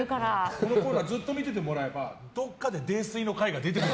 このコーナーずっと見ててもらえばどこかで泥酔の回が出てくる。